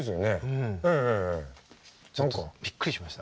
うん。びっくりしました。